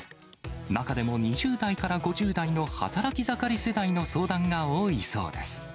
中でも２０代から５０代の働き盛り世代の相談が多いそうです。